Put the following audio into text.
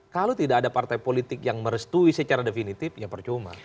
kalau tidak ada partai politik yang merestui secara definitif ya percuma